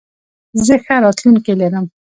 زه ښه راتلونکې لرم.